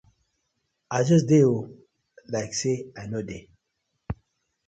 I just dey oo, like say I no dey.